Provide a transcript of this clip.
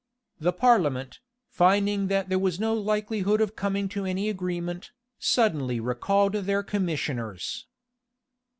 The parliament, finding that there was no likelihood of coming to any agreement, suddenly recalled their commissioners.